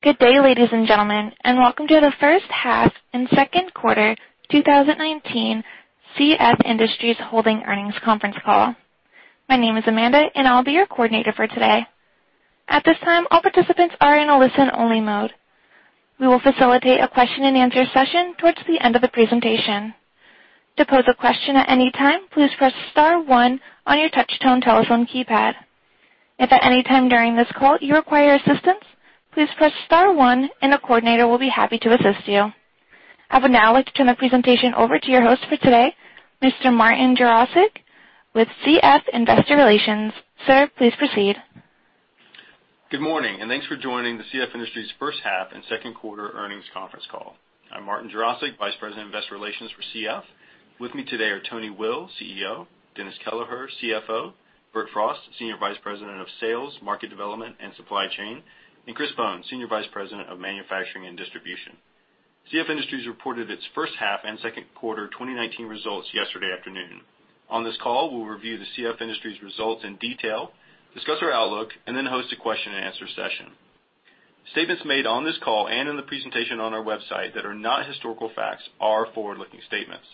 Good day, ladies and gentlemen, and welcome to the first half and second quarter 2019 CF Industries Holdings earnings conference call. My name is Amanda, and I'll be your coordinator for today. At this time, all participants are in a listen-only mode. We will facilitate a question and answer session towards the end of the presentation. To pose a question at any time, please press star one on your touch-tone telephone keypad. If at any time during this call you require assistance, please press star one and a coordinator will be happy to assist you. I will now turn the presentation over to your host for today, Mr. Martin Jarosick with CF Investor Relations. Sir, please proceed. Good morning, and thanks for joining the CF Industries first half and second quarter earnings conference call. I'm Martin Jarosick, Vice President, Investor Relations for CF. With me today are Tony Will, CEO, Dennis Kelleher, CFO, Bert Frost, Senior Vice President of Sales, Market Development, and Supply Chain, and Chris Bohn, Senior Vice President of Manufacturing and Distribution. CF Industries reported its first half and second quarter 2019 results yesterday afternoon. On this call, we'll review the CF Industries results in detail, discuss our outlook, and then host a question and answer session. Statements made on this call and in the presentation on our website that are not historical facts are forward-looking statements.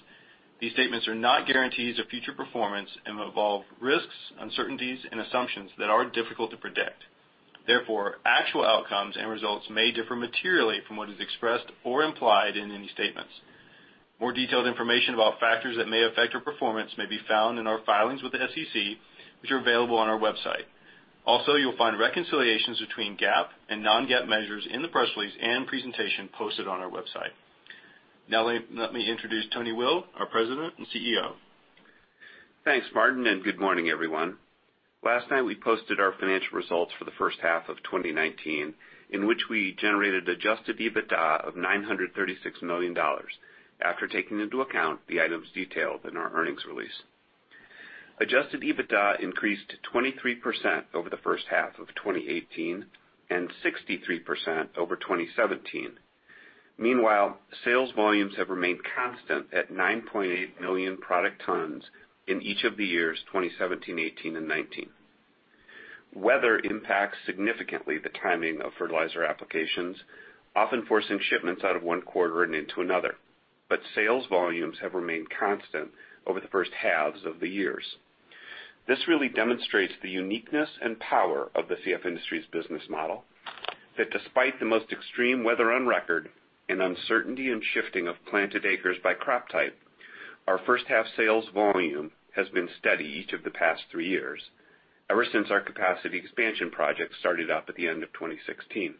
These statements are not guarantees of future performance and involve risks, uncertainties, and assumptions that are difficult to predict. Therefore, actual outcomes and results may differ materially from what is expressed or implied in any statements. More detailed information about factors that may affect our performance may be found in our filings with the SEC, which are available on our website. You'll find reconciliations between GAAP and non-GAAP measures in the press release and presentation posted on our website. Let me introduce Tony Will, our President and CEO. Thanks, Martin. Good morning, everyone. Last night we posted our financial results for the first half of 2019, in which we generated adjusted EBITDA of $936 million after taking into account the items detailed in our earnings release. Adjusted EBITDA increased 23% over the first half of 2018, 63% over 2017. Meanwhile, sales volumes have remained constant at 9.8 million product tons in each of the years 2017, 2018, and 2019. Weather impacts significantly the timing of fertilizer applications, often forcing shipments out of one quarter and into another. Sales volumes have remained constant over the first halves of the years. This really demonstrates the uniqueness and power of the CF Industries business model, that despite the most extreme weather on record and uncertainty and shifting of planted acres by crop type, our first half sales volume has been steady each of the past three years, ever since our capacity expansion project started up at the end of 2016.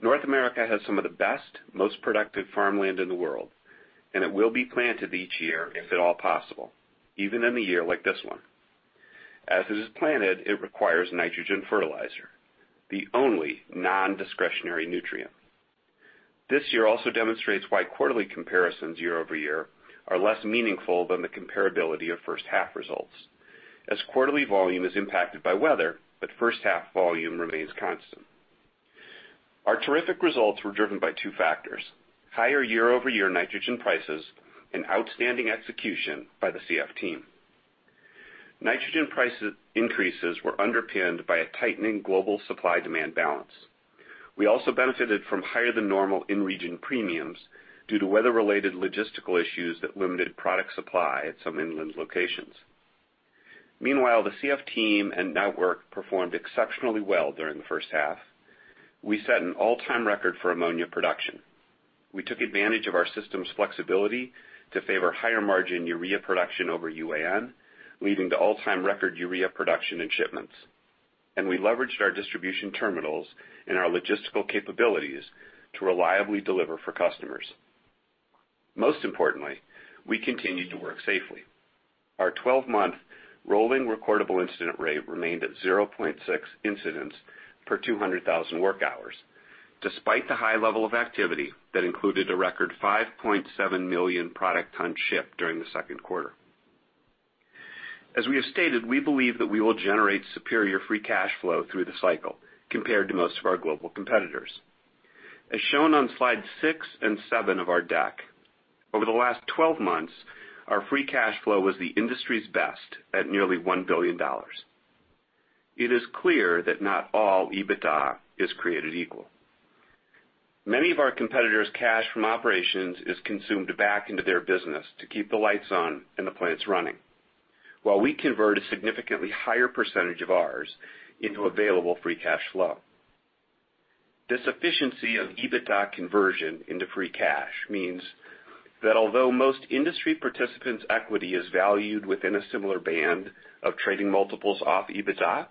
North America has some of the best, most productive farmland in the world, and it will be planted each year if at all possible, even in a year like this one. As it is planted, it requires nitrogen fertilizer, the only non-discretionary nutrient. This year also demonstrates why quarterly comparisons year-over-year are less meaningful than the comparability of first half results, as quarterly volume is impacted by weather, but first half volume remains constant. Our terrific results were driven by two factors: higher year-over-year nitrogen prices and outstanding execution by the CF team. Nitrogen price increases were underpinned by a tightening global supply-demand balance. We also benefited from higher than normal in-region premiums due to weather-related logistical issues that limited product supply at some inland locations. Meanwhile, the CF team and network performed exceptionally well during the first half. We set an all-time record for ammonia production. We took advantage of our system's flexibility to favor higher margin urea production over UAN, leading to all-time record urea production and shipments. We leveraged our distribution terminals and our logistical capabilities to reliably deliver for customers. Most importantly, we continued to work safely. Our 12-month rolling recordable incident rate remained at 0.6 incidents per 200,000 work hours, despite the high level of activity that included a record 5.7 million product ton ship during the second quarter. As we have stated, we believe that we will generate superior free cash flow through the cycle compared to most of our global competitors. As shown on slide six and seven of our deck, over the last 12 months, our free cash flow was the industry's best at nearly $1 billion. It is clear that not all EBITDA is created equal. Many of our competitors' cash from operations is consumed back into their business to keep the lights on and the plants running, while we convert a significantly higher percentage of ours into available free cash flow. This efficiency of EBITDA conversion into free cash means that although most industry participants' equity is valued within a similar band of trading multiples of EBITDA,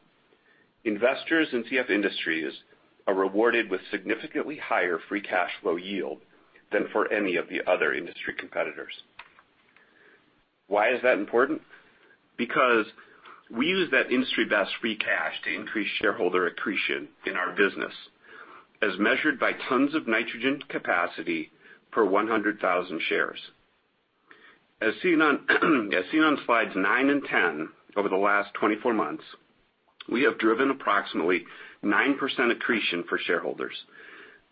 investors in CF Industries are rewarded with significantly higher free cash flow yield than for any of the other industry competitors. Why is that important? We use that industry best free cash to increase shareholder accretion in our business as measured by tons of nitrogen capacity per 100,000 shares. As seen on slides nine and 10, over the last 24 months, we have driven approximately 9% accretion for shareholders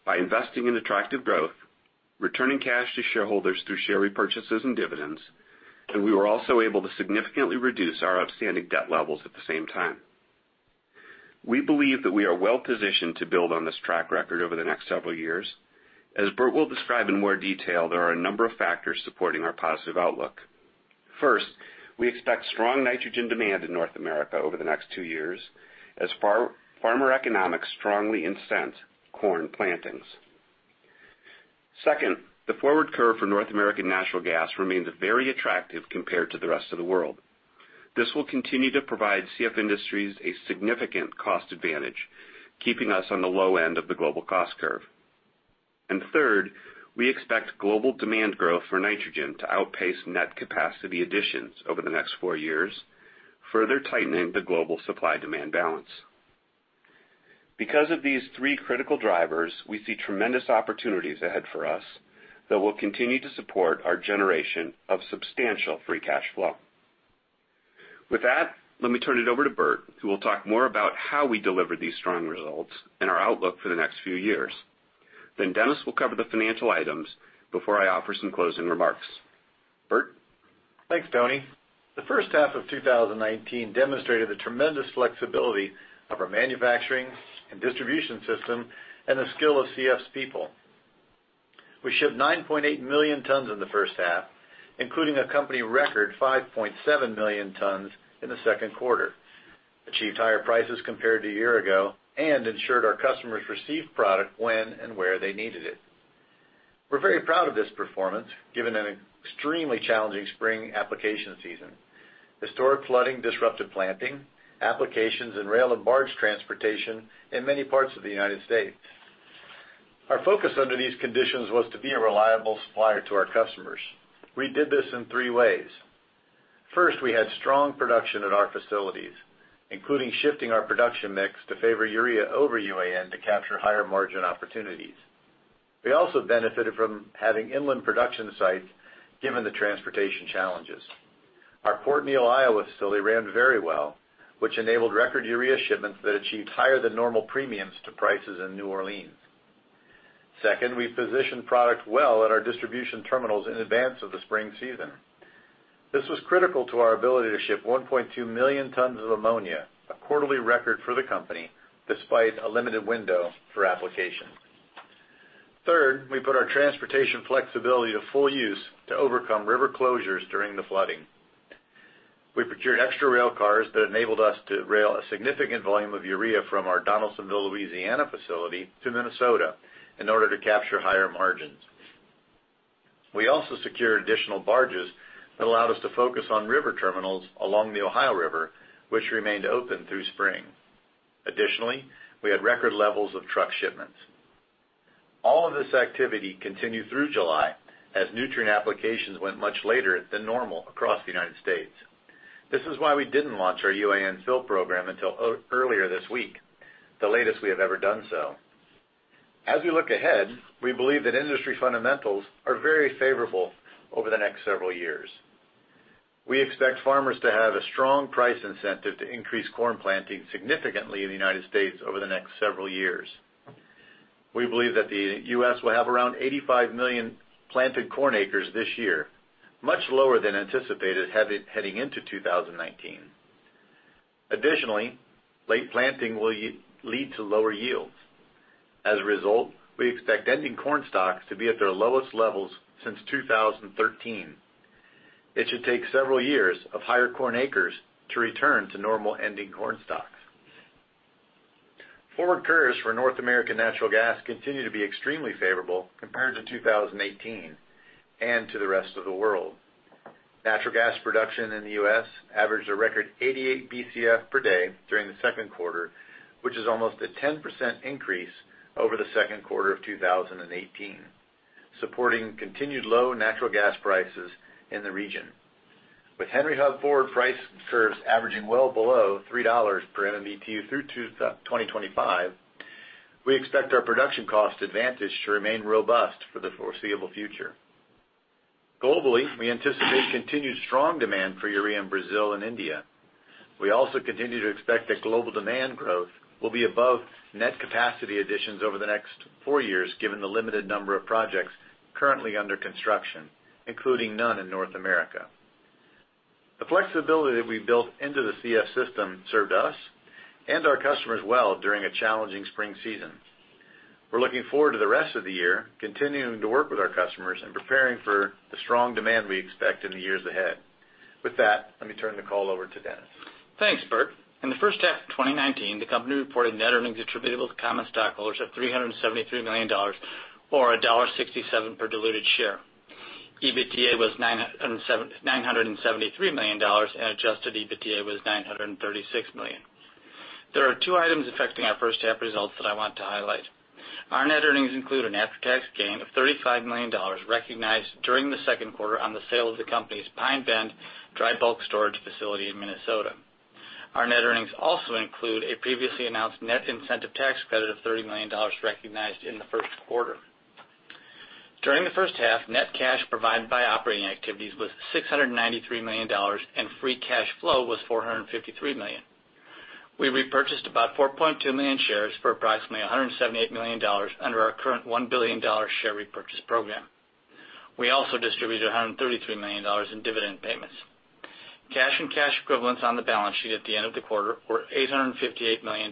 by investing in attractive growth, returning cash to shareholders through share repurchases and dividends, and we were also able to significantly reduce our outstanding debt levels at the same time. We believe that we are well-positioned to build on this track record over the next several years. As Bert will describe in more detail, there are a number of factors supporting our positive outlook. First, we expect strong nitrogen demand in North America over the next two years as farmer economics strongly incent corn plantings. Second, the forward curve for North American natural gas remains very attractive compared to the rest of the world. This will continue to provide CF Industries a significant cost advantage, keeping us on the low end of the global cost curve. Third, we expect global demand growth for nitrogen to outpace net capacity additions over the next four years, further tightening the global supply-demand balance. Because of these three critical drivers, we see tremendous opportunities ahead for us that will continue to support our generation of substantial free cash flow. With that, let me turn it over to Bert, who will talk more about how we deliver these strong results and our outlook for the next few years. Dennis will cover the financial items before I offer some closing remarks. Bert? Thanks, Tony. The first half of 2019 demonstrated the tremendous flexibility of our manufacturing and distribution system and the skill of CF's people. We shipped 9.8 million tons in the first half, including a company record 5.7 million tons in the second quarter, achieved higher prices compared to a year ago, and ensured our customers received product when and where they needed it. We're very proud of this performance, given an extremely challenging spring application season. Historic flooding disrupted planting, applications, and rail and barge transportation in many parts of the United States. Our focus under these conditions was to be a reliable supplier to our customers. We did this in three ways. First, we had strong production at our facilities, including shifting our production mix to favor urea over UAN to capture higher-margin opportunities. We also benefited from having inland production sites given the transportation challenges. Our Port Neal, Iowa facility ran very well, which enabled record urea shipments that achieved higher than normal premiums to prices in New Orleans. Second, we positioned product well at our distribution terminals in advance of the spring season. This was critical to our ability to ship 1.2 million tons of ammonia, a quarterly record for the company, despite a limited window for application. Third, we put our transportation flexibility to full use to overcome river closures during the flooding. We procured extra rail cars that enabled us to rail a significant volume of urea from our Donaldsonville, Louisiana facility to Minnesota in order to capture higher margins. We also secured additional barges that allowed us to focus on river terminals along the Ohio River, which remained open through spring. Additionally, we had record levels of truck shipments. All of this activity continued through July as nutrient applications went much later than normal across the U.S. This is why we didn't launch our UAN fill program until earlier this week, the latest we have ever done so. We look ahead, we believe that industry fundamentals are very favorable over the next several years. We expect farmers to have a strong price incentive to increase corn planting significantly in the U.S. over the next several years. We believe that the U.S. will have around 85 million planted corn acres this year, much lower than anticipated heading into 2019. Additionally, late planting will lead to lower yields. As a result, we expect ending corn stocks to be at their lowest levels since 2013. It should take several years of higher corn acres to return to normal ending corn stocks. Forward curves for North American natural gas continue to be extremely favorable compared to 2018 and to the rest of the world. Natural gas production in the U.S. averaged a record 88 BCF per day during the second quarter, which is almost a 10% increase over the second quarter of 2018, supporting continued low natural gas prices in the region. With Henry Hub forward price curves averaging well below $3 per MMBtu through to 2025, we expect our production cost advantage to remain robust for the foreseeable future. Globally, we anticipate continued strong demand for urea in Brazil and India. We also continue to expect that global demand growth will be above net capacity additions over the next four years given the limited number of projects currently under construction, including none in North America. The flexibility that we built into the CF system served us and our customers well during a challenging spring season. We're looking forward to the rest of the year, continuing to work with our customers and preparing for the strong demand we expect in the years ahead. With that, let me turn the call over to Dennis. Thanks, Bert. In the first half of 2019, the company reported net earnings attributable to common stockholders of $373 million, or $1.67 per diluted share. EBITDA was $973 million, and adjusted EBITDA was $936 million. There are two items affecting our first half results that I want to highlight. Our net earnings include an after-tax gain of $35 million recognized during the second quarter on the sale of the company's Pine Bend dry bulk storage facility in Minnesota. Our net earnings also include a previously announced net incentive tax credit of $30 million recognized in the first quarter. During the first half, net cash provided by operating activities was $693 million, and free cash flow was $453 million. We repurchased about 4.2 million shares for approximately $178 million under our current $1 billion share repurchase program. We also distributed $133 million in dividend payments. Cash and cash equivalents on the balance sheet at the end of the quarter were $858 million.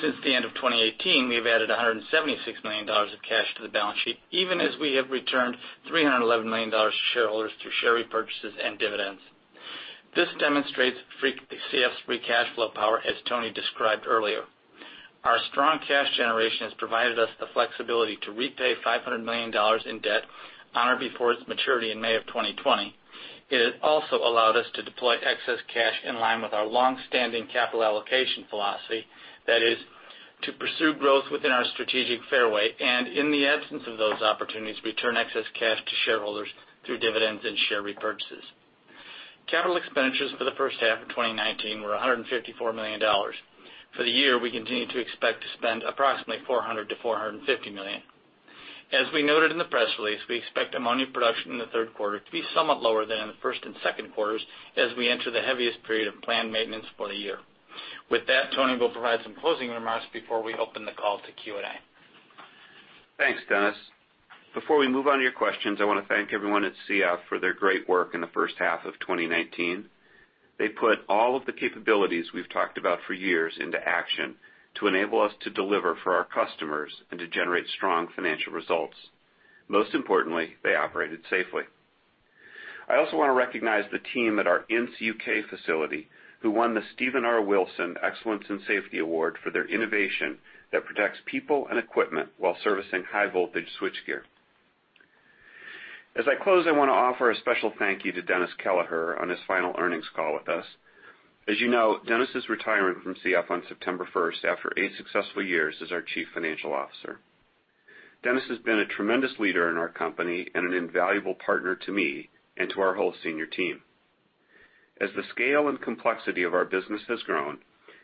Since the end of 2018, we have added $176 million of cash to the balance sheet, even as we have returned $311 million to shareholders through share repurchases and dividends. This demonstrates CF's free cash flow power, as Tony described earlier. Our strong cash generation has provided us the flexibility to repay $500 million in debt on or before its maturity in May of 2020. It has also allowed us to deploy excess cash in line with our longstanding capital allocation philosophy. That is, to pursue growth within our strategic fairway, and in the absence of those opportunities, return excess cash to shareholders through dividends and share repurchases. Capital expenditures for the first half of 2019 were $154 million. For the year, we continue to expect to spend approximately $400 million-$450 million. As we noted in the press release, we expect ammonia production in the third quarter to be somewhat lower than in the first and second quarters as we enter the heaviest period of planned maintenance for the year. With that, Tony Will provide some closing remarks before we open the call to Q&A. Thanks, Dennis. Before we move on to your questions, I want to thank everyone at CF for their great work in the first half of 2019. They put all of the capabilities we've talked about for years into action to enable us to deliver for our customers and to generate strong financial results. Most importantly, they operated safely. I also want to recognize the team at our Ince U.K. facility who won the Stephen R. Wilson Award for Excellence in Safety for their innovation that protects people and equipment while servicing high voltage switchgear. As I close, I want to offer a special thank you to Dennis Kelleher on his final earnings call with us. As you know, Dennis is retiring from CF on September 1st after eight successful years as our Chief Financial Officer. Dennis has been a tremendous leader in our company and an invaluable partner to me and to our whole senior team. As the scale and complexity of our business has grown,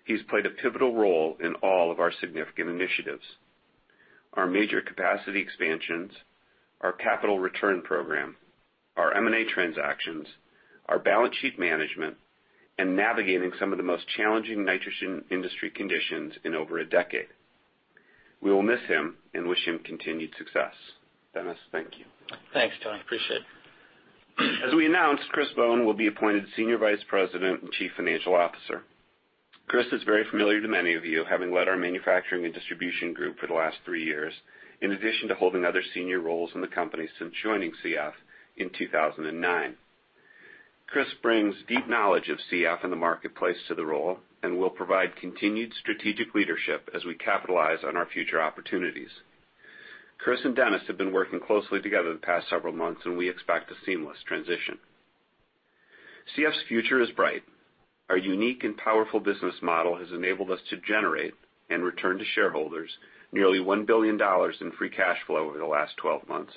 he's played a pivotal role in all of our significant initiatives, our major capacity expansions, our capital return program, our M&A transactions, our balance sheet management, and navigating some of the most challenging nitrogen industry conditions in over a decade. We will miss him and wish him continued success. Dennis, thank you. Thanks, Tony. Appreciate it. As we announced, Chris Bohn will be appointed Senior Vice President and Chief Financial Officer. Chris is very familiar to many of you, having led our manufacturing and distribution group for the last three years, in addition to holding other senior roles in the company since joining CF in 2009. Chris brings deep knowledge of CF and the marketplace to the role and will provide continued strategic leadership as we capitalize on our future opportunities. Chris and Dennis have been working closely together the past several months, and we expect a seamless transition. CF's future is bright. Our unique and powerful business model has enabled us to generate and return to shareholders nearly $1 billion in free cash flow over the last 12 months.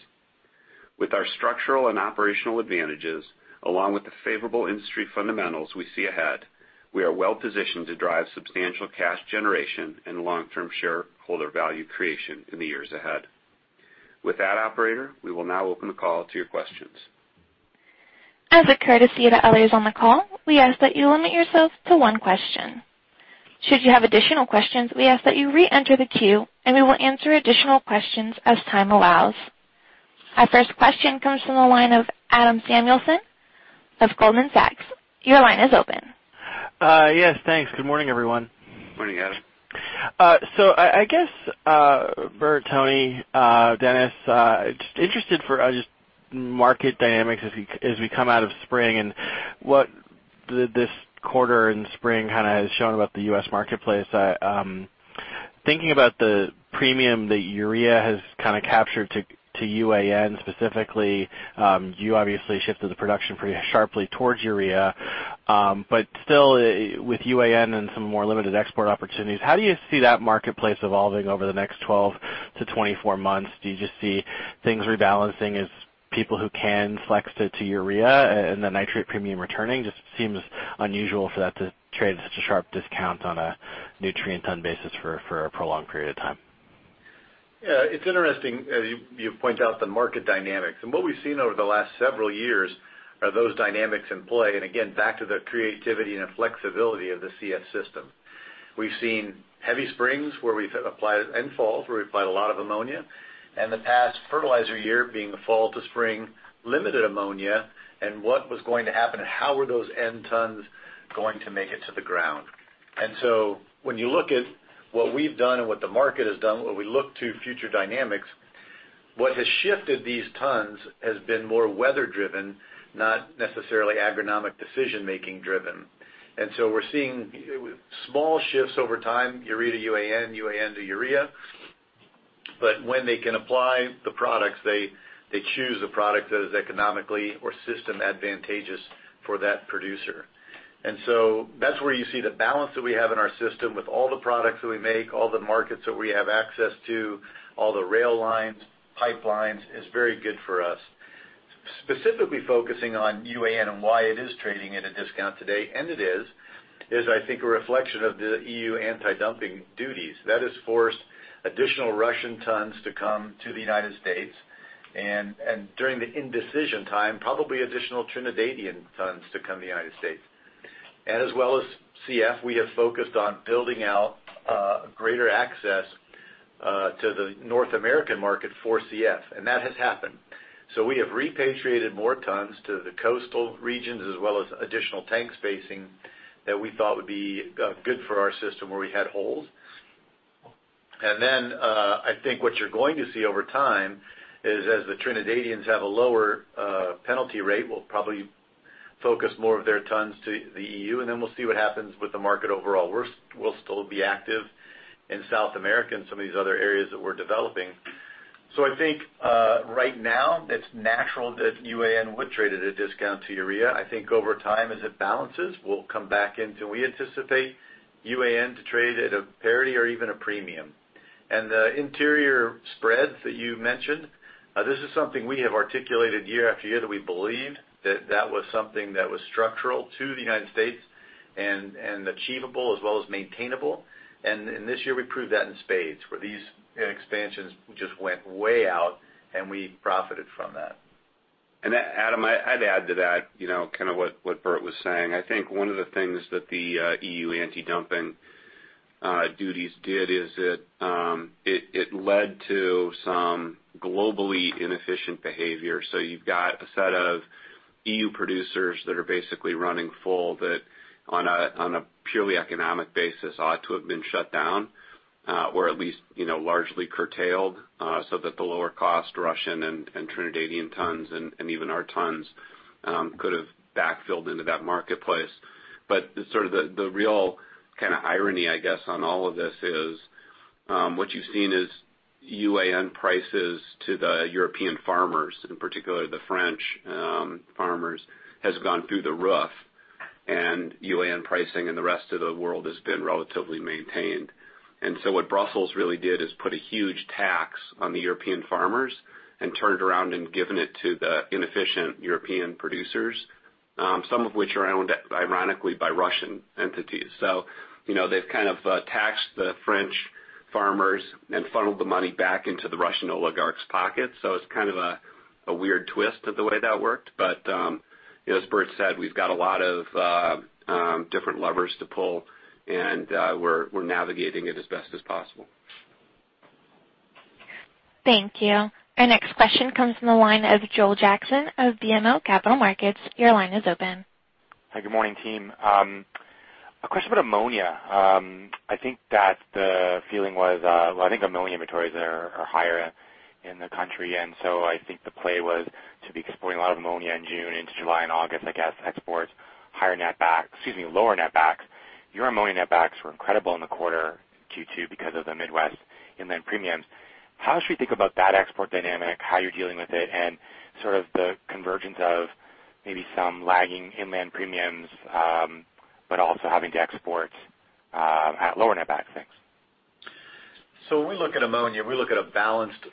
With our structural and operational advantages, along with the favorable industry fundamentals we see ahead, we are well positioned to drive substantial cash generation and long-term shareholder value creation in the years ahead. With that, operator, we will now open the call to your questions. As a courtesy to others on the call, we ask that you limit yourself to one question. Should you have additional questions, we ask that you reenter the queue, and we will answer additional questions as time allows. Our first question comes from the line of Adam Samuelson of Goldman Sachs. Your line is open. Yes, thanks. Good morning, everyone. Morning, Adam. I guess, Bert, Tony, Dennis, just interested for just market dynamics as we come out of spring and what this quarter and spring has shown about the U.S. marketplace. Thinking about the premium that urea has captured to UAN specifically. You obviously shifted the production pretty sharply towards urea. Still with UAN and some more limited export opportunities, how do you see that marketplace evolving over the next 12 to 24 months? Do you just see things rebalancing as people who can flex to urea and the nitrate premium returning? Just seems unusual for that to trade such a sharp discount on a nutrient ton basis for a prolonged period of time. Yeah, it's interesting you point out the market dynamics. What we've seen over the last several years are those dynamics in play. Again, back to the creativity and the flexibility of the CF system. We've seen heavy springs and falls where we've applied a lot of ammonia, and the past fertilizer year being the fall to spring limited ammonia, and what was going to happen and how were those N tons going to make it to the ground. When you look at what we've done and what the market has done, when we look to future dynamics, what has shifted these tons has been more weather driven, not necessarily agronomic decision making driven. We're seeing small shifts over time, urea to UAN to urea. When they can apply the products, they choose a product that is economically or system advantageous for that producer. That's where you see the balance that we have in our system with all the products that we make, all the markets that we have access to, all the rail lines, pipelines, is very good for us. Specifically focusing on UAN and why it is trading at a discount today, and it is, I think a reflection of the EU anti-dumping duties. That has forced additional Russian tons to come to the U.S., and during the indecision time, probably additional Trinidadian tons to come to the U.S. As well as CF, we have focused on building out greater access to the North American market for CF, and that has happened. We have repatriated more tons to the coastal regions as well as additional tank spacing that we thought would be good for our system where we had holes. I think what you're going to see over time is, as the Trinidadians have a lower penalty rate, will probably focus more of their tons to the EU, and then we'll see what happens with the market overall. We'll still be active in South America and some of these other areas that we're developing. I think right now it's natural that UAN would trade at a discount to urea. I think over time, as it balances, we anticipate UAN to trade at a parity or even a premium. The interior spreads that you mentioned, this is something we have articulated year after year that we believed that that was something that was structural to the United States and achievable as well as maintainable. This year we proved that in spades, where these expansions just went way out, and we profited from that. Adam, I'd add to that what Bert was saying. I think one of the things that the EU anti-dumping duties did is it led to some globally inefficient behavior. You've got a set of EU producers that are basically running full that, on a purely economic basis, ought to have been shut down or at least largely curtailed so that the lower cost Russian and Trinidadian tons, and even our tons could have backfilled into that marketplace. The real irony, I guess, on all of this is what you've seen is UAN prices to the European farmers, in particular the French farmers, has gone through the roof, and UAN pricing in the rest of the world has been relatively maintained. What Brussels really did is put a huge tax on the European farmers and turned around and given it to the inefficient European producers, some of which are owned, ironically, by Russian entities. They've taxed the French farmers and funneled the money back into the Russian oligarch's pocket. It's a weird twist to the way that worked. As Bert said, we've got a lot of different levers to pull, and we're navigating it as best as possible. Thank you. Our next question comes from the line of Joel Jackson of BMO Capital Markets. Your line is open. Hi, good morning, team. A question about ammonia. I think that the feeling was I think ammonia inventories are higher in the country, and so I think the play was to be exporting a lot of ammonia in June into July and August, I guess, exports lower netbacks. Your ammonia netbacks were incredible in quarter 2 because of the Midwest inland premiums. How should we think about that export dynamic, how you're dealing with it, and the convergence of maybe some lagging inland premiums, but also having to export at lower netback? Thanks. When we look at ammonia, we look at a balanced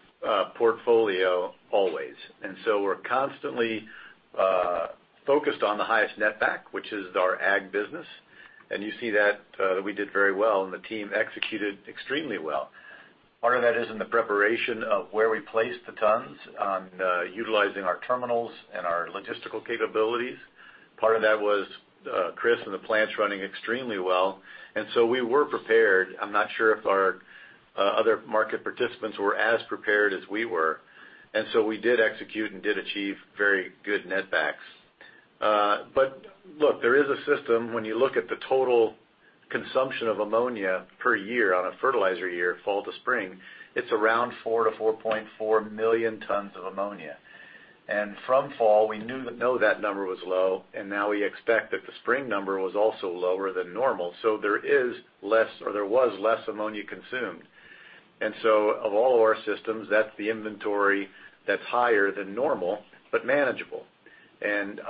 portfolio always. And so we're constantly focused on the highest netback, which is our ag business. And you see that we did very well, and the team executed extremely well. Part of that is in the preparation of where we placed the tons on utilizing our terminals and our logistical capabilities. Part of that was Chris and the plants running extremely well. And so we were prepared. I'm not sure if our other market participants were as prepared as we were. And so we did execute and did achieve very good netbacks. But look, there is a system when you look at the total consumption of ammonia per year on a fertilizer year, fall to spring, it's around 4-4.4 million tons of ammonia. From fall, we know that number was low, now we expect that the spring number was also lower than normal. There was less ammonia consumed. Of all our systems, that's the inventory that's higher than normal, but manageable.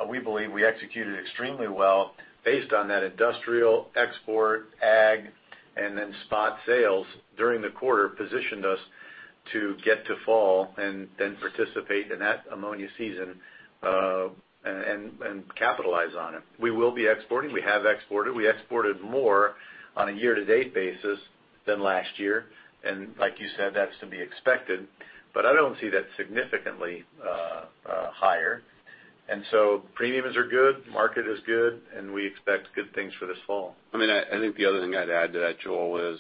We believe we executed extremely well based on that industrial export ag, then spot sales during the quarter positioned us to get to fall, then participate in that ammonia season and capitalize on it. We will be exporting. We have exported. We exported more on a year-to-date basis than last year. Like you said, that's to be expected. I don't see that significantly higher. Premiums are good, market is good, we expect good things for this fall. I think the other thing I'd add to that, Joel, is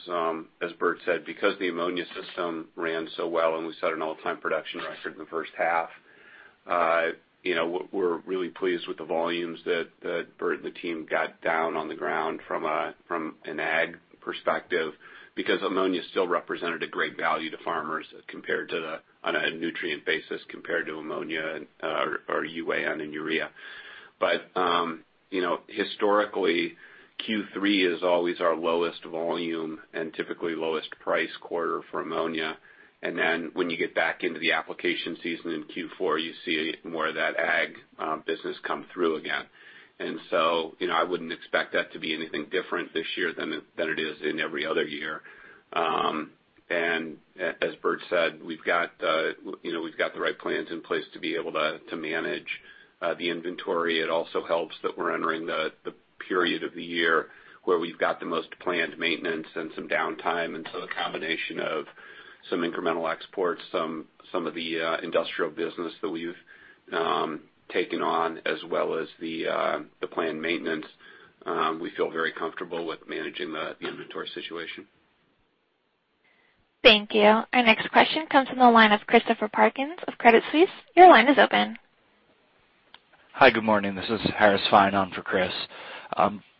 as Bert said, because the ammonia system ran so well and we set an all-time production record in the first half, we're really pleased with the volumes that Bert and the team got down on the ground from an ag perspective because ammonia still represented a great value to farmers on a nutrient basis compared to ammonia or UAN and urea. Historically, Q3 is always our lowest volume and typically lowest price quarter for ammonia. When you get back into the application season in Q4, you see more of that ag business come through again. I wouldn't expect that to be anything different this year than it is in every other year. As Bert said, we've got the right plans in place to be able to manage the inventory. It also helps that we're entering the period of the year where we've got the most planned maintenance and some downtime. The combination of some incremental exports, some of the industrial business that we've taken on, as well as the planned maintenance, we feel very comfortable with managing the inventory situation. Thank you. Our next question comes from the line of Chris Parkinson of Credit Suisse. Your line is open. Hi, good morning. This is Harris Fine on for Chris.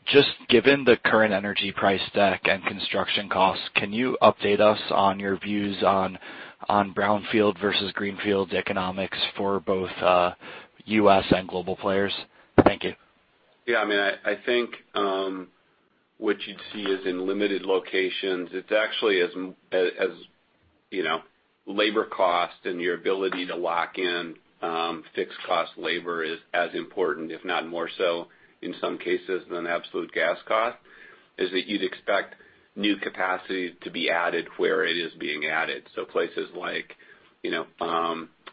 Just given the current energy price deck and construction costs, can you update us on your views on brownfield versus greenfield economics for both U.S. and global players? Thank you. Yeah, I think, what you'd see is in limited locations, it's actually as labor cost and your ability to lock in fixed cost labor is as important, if not more so in some cases than absolute gas cost, is that you'd expect new capacity to be added where it is being added. Places like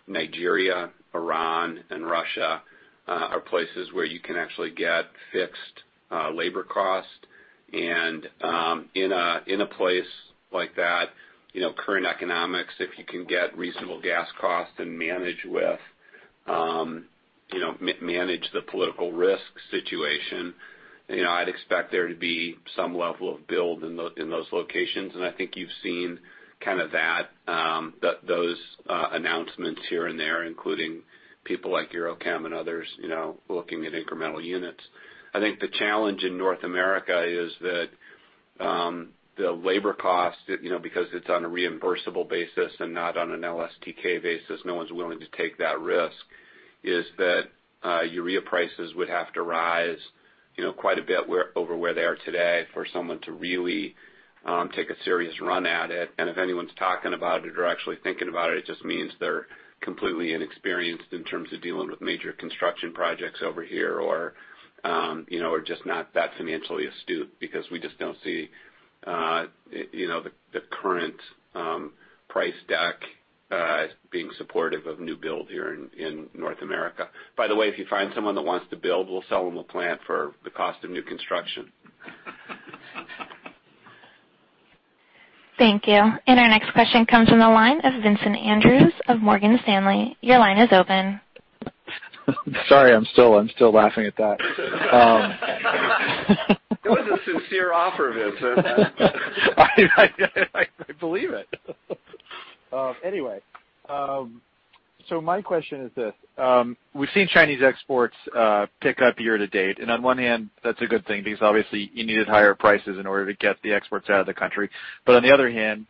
Nigeria, Iran, and Russia are places where you can actually get fixed labor cost. In a place like that, current economics, if you can get reasonable gas cost and manage the political risk situation, I'd expect there to be some level of build in those locations. I think you've seen those announcements here and there, including people like EuroChem and others looking at incremental units. I think the challenge in North America is that the labor cost, because it's on a reimbursable basis and not on an LSTK basis, no one's willing to take that risk, is that urea prices would have to rise quite a bit over where they are today for someone to really take a serious run at it. If anyone's talking about it or actually thinking about it just means they're completely inexperienced in terms of dealing with major construction projects over here or just not that financially astute because we just don't see the current price deck as being supportive of new build here in North America. By the way, if you find someone that wants to build, we'll sell them a plant for the cost of new construction. Thank you. Our next question comes from the line of Vincent Andrews of Morgan Stanley. Your line is open. Sorry, I'm still laughing at that. It was a sincere offer, Vincent. I believe it. My question is this. We've seen Chinese exports pick up year to date, and on one hand, that's a good thing because obviously you needed higher prices in order to get the exports out of the country. On the other hand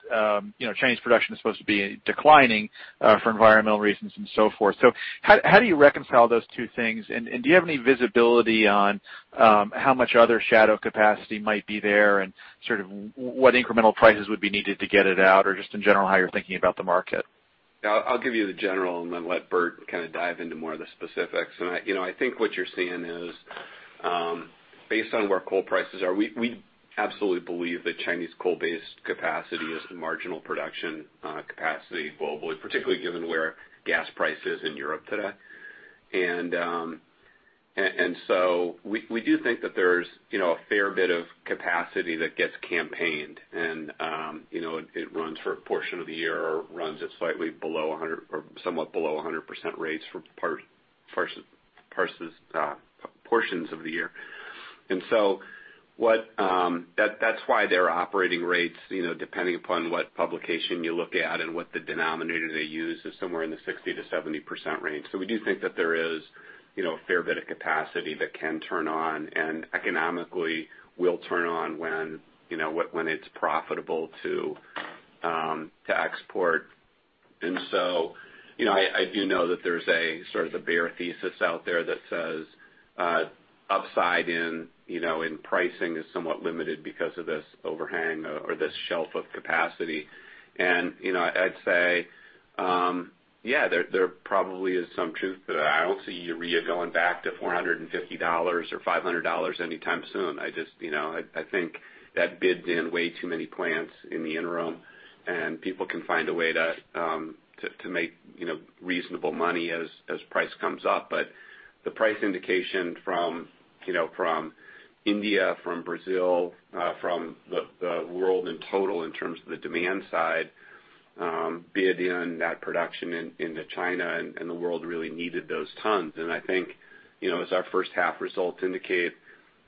Chinese production is supposed to be declining for environmental reasons and so forth. How do you reconcile those two things? Do you have any visibility on how much other shadow capacity might be there, and what incremental prices would be needed to get it out, or just in general, how you're thinking about the market? I'll give you the general and then let Bert dive into more of the specifics. I think what you're seeing is based on where coal prices are, we absolutely believe that Chinese coal-based capacity is the marginal production capacity globally, particularly given where gas price is in Europe today. We do think that there's a fair bit of capacity that gets campaigned and it runs for a portion of the year or runs at slightly below 100, or somewhat below 100% rates for portions of the year. That's why their operating rates, depending upon what publication you look at and what the denominator they use is somewhere in the 60%-70% range. We do think that there is a fair bit of capacity that can turn on and economically will turn on when it's profitable to export. I do know that there's a sort of the bear thesis out there that says upside in pricing is somewhat limited because of this overhang or this shelf of capacity. I'd say yeah, there probably is some truth to that. I don't see urea going back to $450 or $500 anytime soon. I think that bid in way too many plants in the interim, and people can find a way to make reasonable money as price comes up. The price indication from India, from Brazil, from the world in total in terms of the demand side, bid in that production into China and the world really needed those tons. I think, as our first half results indicate,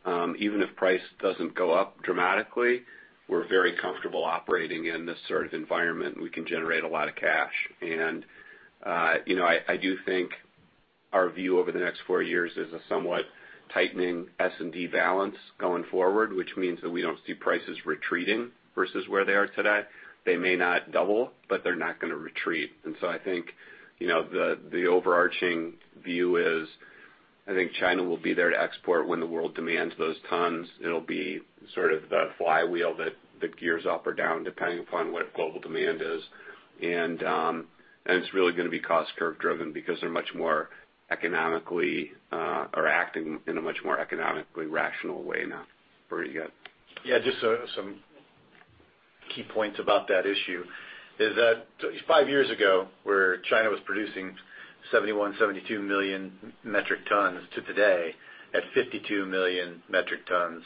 even if price doesn't go up dramatically, we're very comfortable operating in this sort of environment, and we can generate a lot of cash. I do think our view over the next four years is a somewhat tightening S&D balance going forward, which means that we don't see prices retreating versus where they are today. They may not double, but they're not going to retreat. I think the overarching view is, I think China will be there to export when the world demands those tons. It'll be sort of the flywheel that gears up or down depending upon what global demand is. It's really going to be cost curve driven because they're acting in a much more economically rational way now. Bert, you got it. Yeah, just some key points about that issue is that five years ago, where China was producing 71 million-72 million metric tons to today at 52 million metric tons.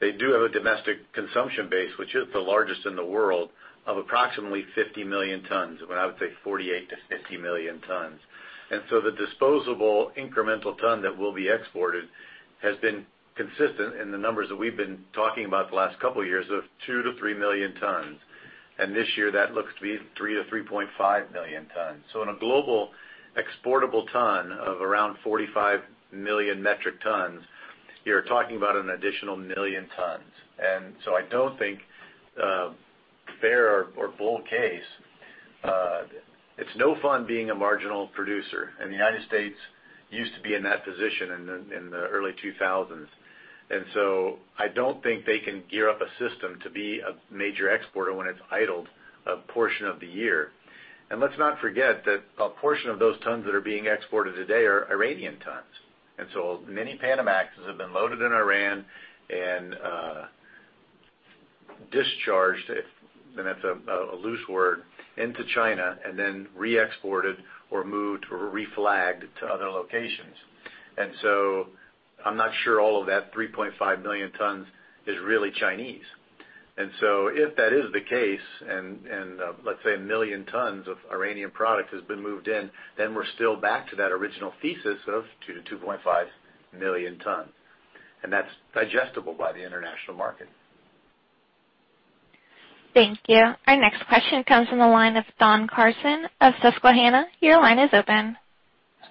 They do have a domestic consumption base, which is the largest in the world, of approximately 50 million tons, but I would say 48 million-50 million tons. The disposable incremental ton that will be exported has been consistent in the numbers that we've been talking about the last couple of years of 2 million-3 million tons. This year, that looks to be 3 million-3.5 million tons. In a global exportable ton of around 45 million metric tons, you're talking about an additional million tons. I don't think fair or bull case. It's no fun being a marginal producer. The U.S. used to be in that position in the early 2000s. I don't think they can gear up a system to be a major exporter when it's idled a portion of the year. Let's not forget that a portion of those tons that are being exported today are Iranian tons. Many Panamax have been loaded in Iran and discharged, and that's a loose word, into China, and then re-exported or moved or reflagged to other locations. I'm not sure all of that 3.5 million tons is really Chinese. If that is the case, and let's say 1 million tons of Iranian product has been moved in, then we're still back to that original thesis of 2 million-2.5 million tons. That's digestible by the international market. Thank you. Our next question comes from the line of Don Carson of Susquehanna. Your line is open.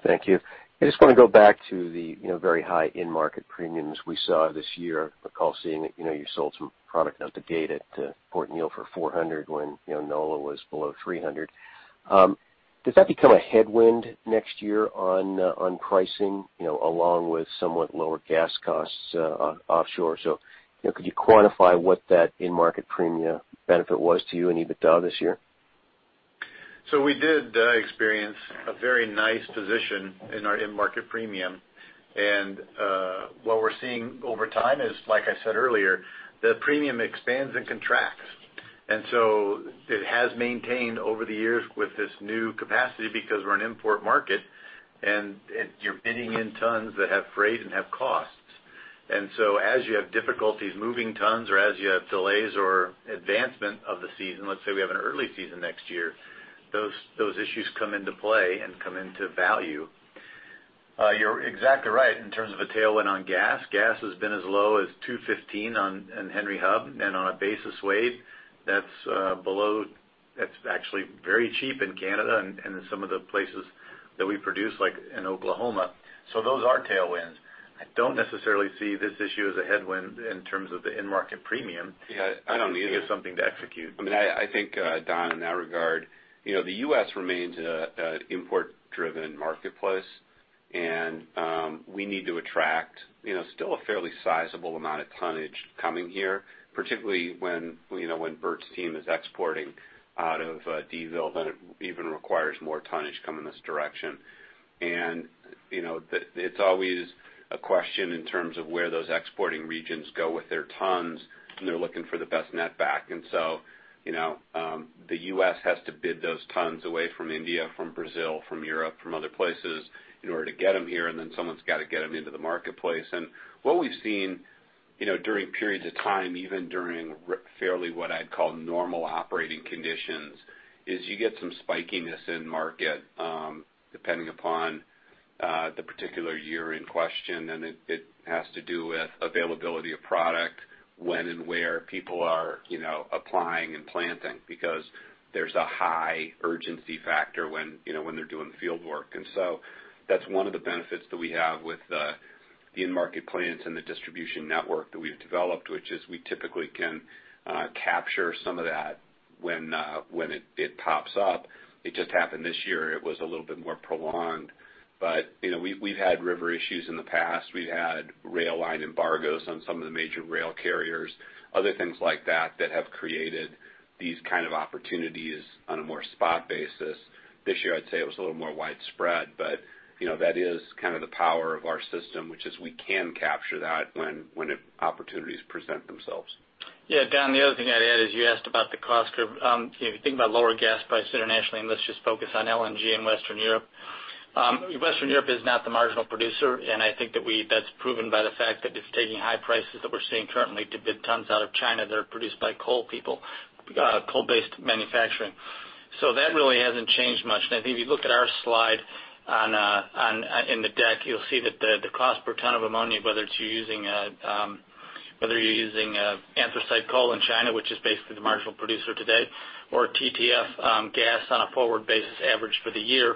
Thank you. I just want to go back to the very high end market premiums we saw this year. I recall seeing that you sold some product out the gate at Port Neal for $400 when NOLA was below $300. Does that become a headwind next year on pricing, along with somewhat lower gas costs offshore? Could you quantify what that end market premia benefit was to you in EBITDA this year? We did experience a very nice position in our end market premium. What we're seeing over time is, like I said earlier, the premium expands and contracts. It has maintained over the years with this new capacity because we're an import market, and you're bidding in tons that have freight and have costs. As you have difficulties moving tons or as you have delays or advancement of the season, let's say we have an early season next year, those issues come into play and come into value. You're exactly right in terms of a tailwind on gas. Gas has been as low as 215 on Henry Hub and on a basis weight that's actually very cheap in Canada and in some of the places that we produce, like in Oklahoma. Those are tailwinds. I don't necessarily see this issue as a headwind in terms of the end market premium. Yeah, I don't either. There's something to execute. I think, Don, in that regard the U.S. remains an import driven marketplace. We need to attract still a fairly sizable amount of tonnage coming here, particularly when Bert's team is exporting out of Donaldsonville. It even requires more tonnage coming this direction. It's always a question in terms of where those exporting regions go with their tons. They're looking for the best net back. The U.S. has to bid those tons away from India, from Brazil, from Europe, from other places in order to get them here. Someone's got to get them into the marketplace. What we've seen during periods of time, even during fairly what I'd call normal operating conditions, is you get some spikiness in market depending upon the particular year in question. It has to do with availability of product, when and where people are applying and planting because there's a high urgency factor when they're doing fieldwork. So that's one of the benefits that we have with the end market plans and the distribution network that we've developed, which is we typically can capture some of that when it pops up. It just happened this year, it was a little bit more prolonged. We've had river issues in the past. We've had rail line embargoes on some of the major rail carriers, other things like that that have created these kind of opportunities on a more spot basis. This year, I'd say it was a little more widespread, but that is kind of the power of our system, which is we can capture that when opportunities present themselves. Yeah. Don, the other thing I'd add is you asked about the cost curve. If you think about lower gas prices internationally, let's just focus on LNG in Western Europe. Western Europe is not the marginal producer, I think that's proven by the fact that it's taking high prices that we're seeing currently to bid tons out of China that are produced by coal-based manufacturing. That really hasn't changed much. I think if you look at our slide in the deck, you'll see that the cost per ton of ammonia, whether you're using anthracite coal in China, which is basically the marginal producer today, or TTF gas on a forward basis average for the year,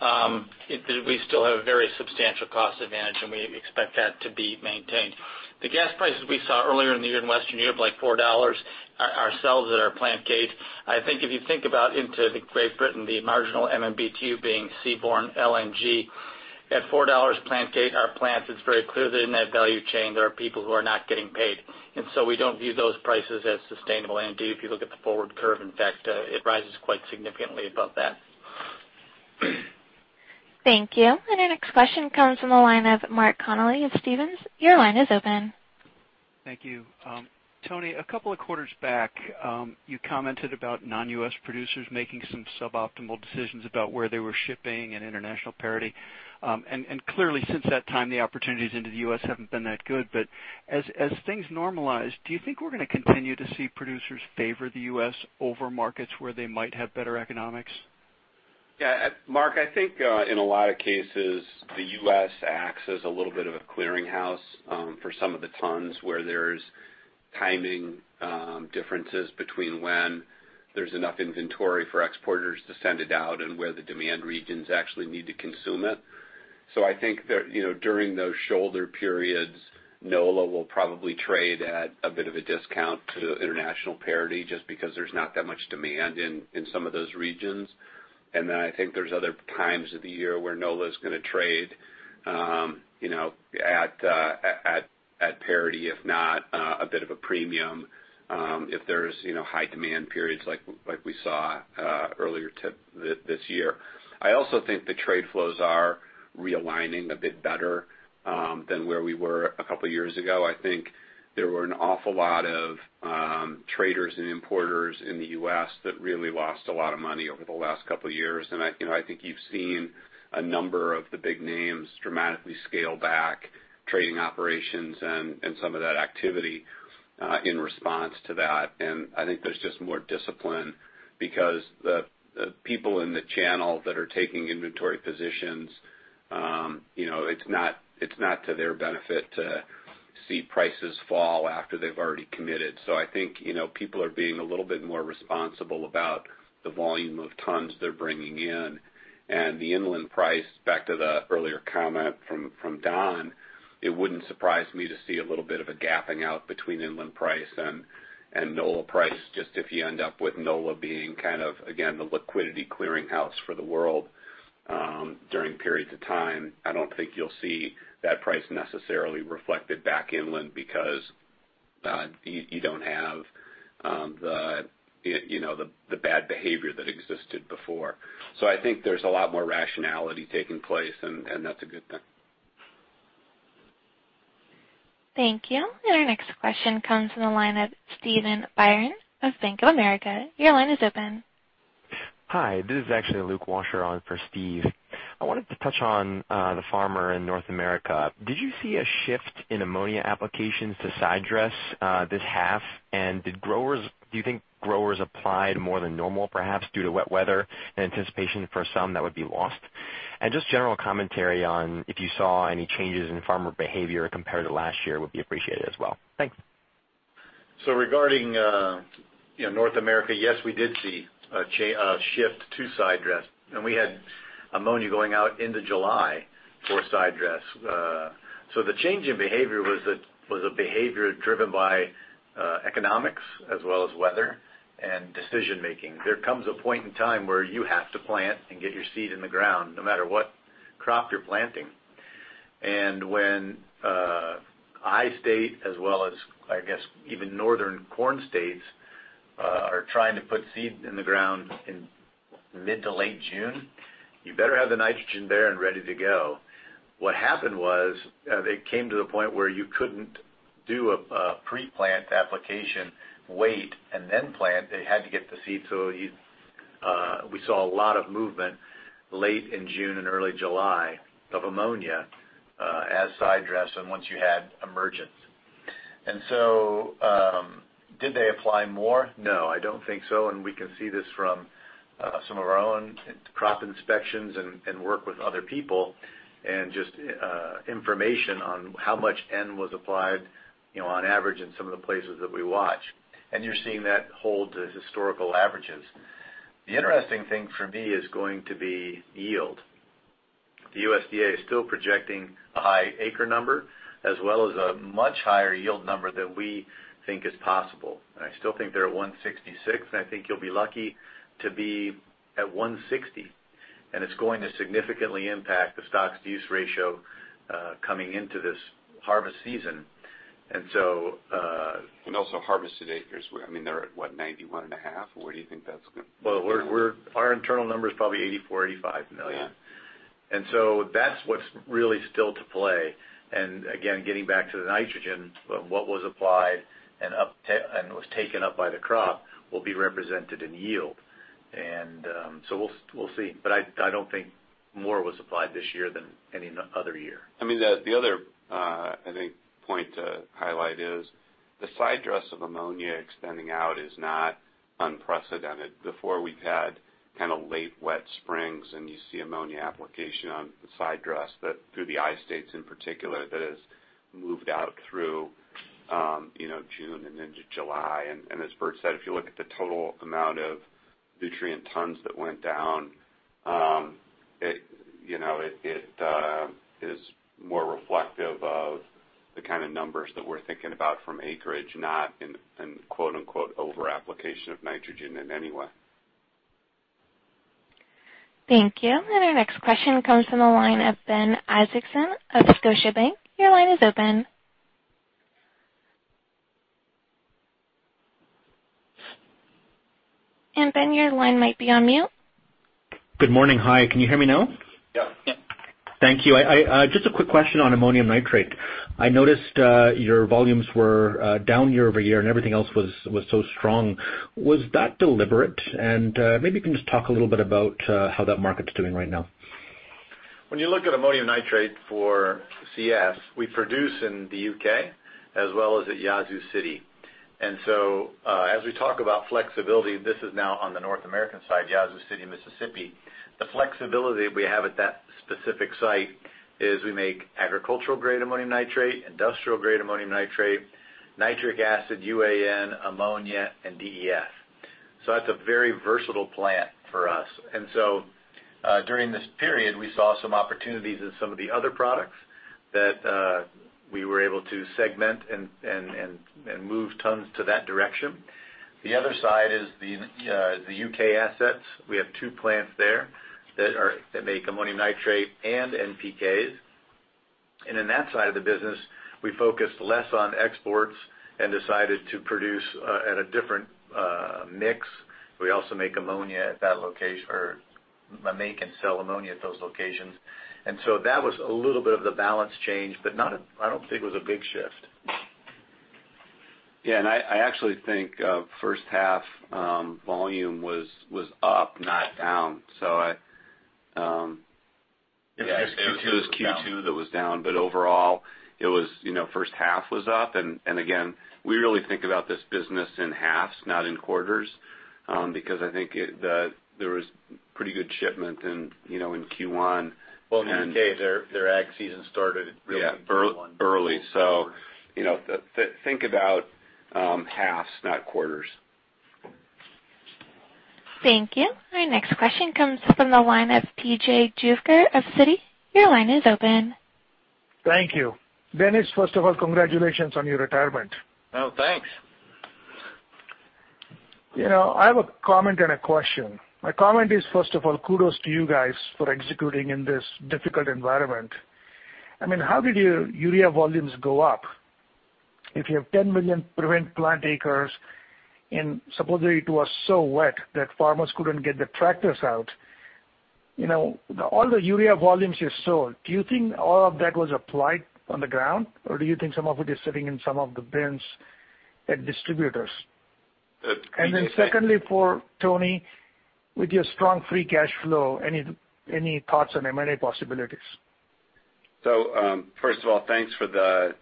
we still have a very substantial cost advantage, and we expect that to be maintained. The gas prices we saw earlier in the year in Western Europe, like $4, ourselves at our plant gate. I think if you think about into Great Britain, the marginal MMBtu being seaborne LNG at $4 plant gate in our plants, it's very clear that in that value chain, there are people who are not getting paid. We don't view those prices as sustainable. Indeed, if you look at the forward curve, in fact, it rises quite significantly above that. Thank you. Our next question comes from the line of Mark Connelly of Stephens. Your line is open. Thank you. Tony, a couple of quarters back, you commented about non-U.S. producers making some suboptimal decisions about where they were shipping and international parity. Clearly since that time, the opportunities into the U.S. haven't been that good. As things normalize, do you think we're going to continue to see producers favor the U.S. over markets where they might have better economics? Yeah, Mark, I think in a lot of cases, the U.S. acts as a little bit of a clearing house for some of the tons where there's timing differences between when there's enough inventory for exporters to send it out and where the demand regions actually need to consume it. I think that during those shoulder periods, NOLA will probably trade at a bit of a discount to international parity just because there's not that much demand in some of those regions. I think there's other times of the year where NOLA's going to trade at parity, if not a bit of a premium, if there's high demand periods like we saw earlier this year. I also think the trade flows are realigning a bit better than where we were a couple of years ago. I think there were an awful lot of traders and importers in the U.S. that really lost a lot of money over the last couple of years. I think you've seen a number of the big names dramatically scale back trading operations and some of that activity in response to that. I think there's just more discipline because the people in the channel that are taking inventory positions, it's not to their benefit to see prices fall after they've already committed. I think people are being a little bit more responsible about the volume of tons they're bringing in. The inland price, back to the earlier comment from Don, it wouldn't surprise me to see a little bit of a gapping out between inland price and NOLA price, just if you end up with NOLA being again, the liquidity clearing house for the world during periods of time. I don't think you'll see that price necessarily reflected back inland because you don't have the bad behavior that existed before. I think there's a lot more rationality taking place, and that's a good thing. Thank you. Our next question comes from the line of Steven Byrne of Bank of America. Your line is open. Hi, this is actually Luke Washer on for Steve. I wanted to touch on the farmer in North America. Did you see a shift in ammonia applications to sidedress this half? Do you think growers applied more than normal, perhaps due to wet weather in anticipation for some that would be lost? Just general commentary on if you saw any changes in farmer behavior compared to last year would be appreciated as well. Thanks. Regarding North America, yes, we did see a shift to sidedress, and we had ammonia going out into July for sidedress. The change in behavior was a behavior driven by economics as well as weather and decision making. There comes a point in time where you have to plant and get your seed in the ground no matter what crop you're planting. When I state as well as, I guess even northern corn states are trying to put seed in the ground in mid to late June, you better have the nitrogen there and ready to go. What happened was it came to the point where you couldn't do a pre-plant application, wait, and then plant. They had to get the seed. We saw a lot of movement late in June and early July of ammonia as sidedress and once you had emergence. Did they apply more? No, I don't think so. We can see this from some of our own crop inspections and work with other people and just information on how much N was applied on average in some of the places that we watch. You're seeing that hold to historical averages. The interesting thing for me is going to be yield. The USDA is still projecting a high acre number as well as a much higher yield number than we think is possible. I still think they're at 166, and I think you'll be lucky to be at 160. It's going to significantly impact the stocks-to-use ratio coming into this harvest season. Also harvested acres. They're at what, 91 and a half? Where do you think that's going? Well, our internal number is probably $84 million, $85 million. Yeah. That's what's really still to play. Again, getting back to the nitrogen, what was applied and was taken up by the crop will be represented in yield. We'll see. I don't think more was applied this year than any other year. The other point to highlight is the sidedress of ammonia extending out is not unprecedented. Before we've had late wet springs, you see ammonia application on the sidedress through the I states in particular that has moved out through June and into July. As Bert said, if you look at the total amount of nutrient tons that went down, it is more reflective of the kind of numbers that we're thinking about from acreage, not in quote unquote over application of nitrogen in any way. Thank you. Our next question comes from the line of Ben Isaacson of Scotiabank. Your line is open. Ben, your line might be on mute. Good morning. Hi, can you hear me now? Yeah. Thank you. Just a quick question on ammonium nitrate. I noticed your volumes were down year-over-year. Everything else was so strong. Was that deliberate? Maybe you can just talk a little bit about how that market's doing right now. When you look at ammonium nitrate for CF, we produce in the U.K. as well as at Yazoo City. As we talk about flexibility, this is now on the North American side, Yazoo City, Mississippi. The flexibility we have at that specific site is we make agricultural grade ammonium nitrate, industrial grade ammonium nitrate, nitric acid, UAN, ammonia, and DEF. That's a very versatile plant for us. During this period, we saw some opportunities in some of the other products that we were able to segment and move tons to that direction. The other side is the U.K. assets. We have two plants there that make ammonium nitrate and NPK. In that side of the business, we focused less on exports and decided to produce at a different mix. We also make and sell ammonia at those locations. That was a little bit of the balance change, but I don't think it was a big shift. Yeah, I actually think first half volume was up, not down. It was Q2 that was down. It was Q2 that was down, but overall it was first half was up. Again, we really think about this business in halves, not in quarters because I think there was pretty good shipment in Q1. Well, in the U.K., their ag season started really Q1. Yeah, early. Think about halves, not quarters. Thank you. Our next question comes from the line of P.J. Juvekar of Citi. Your line is open. Thank you. Dennis, first of all, congratulations on your retirement. Oh, thanks. I have a comment and a question. My comment is, first of all, kudos to you guys for executing in this difficult environment. How did your urea volumes go up if you have 10 million prevented planting acres and supposedly it was so wet that farmers couldn't get the tractors out? All the urea volumes you sold, do you think all of that was applied on the ground, or do you think some of it is sitting in some of the bins at distributors? Secondly, for Tony, with your strong free cash flow, any thoughts on M&A possibilities? First of all, thanks for the